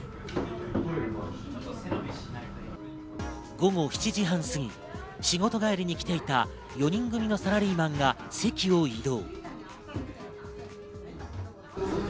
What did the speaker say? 午後７時半過ぎ、仕事帰りに来ていた４人組のサラリーマンが席を移動。